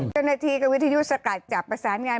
จนนะทีกวิทยุสกัดจับประซานงาน